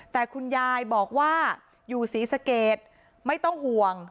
แต่คุณยายบอกว่าอยู่ศรีสะเกดไม่ต้องห่วง